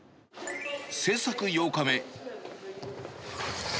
制作８日目。